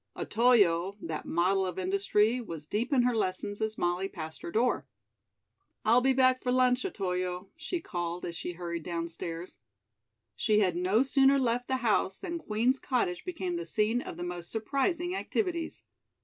Otoyo, that model of industry, was deep in her lessons as Molly passed her door. "I'll be back for lunch, Otoyo," she called as she hurried downstairs. She had no sooner left the house than Queen's Cottage became the scene of the most surprising activities.